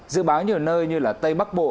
dự báo nhiều nơi như là tây bắc bộ